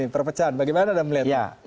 perpecahan bagaimana anda melihat